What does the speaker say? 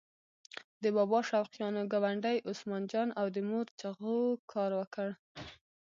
د بابا شوقیانو ګاونډي عثمان جان او د مور چغو کار وکړ.